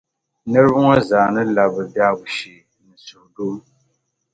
niriba ŋɔ zaa ni lab’ bɛ biɛhigu shee ni suhudoo.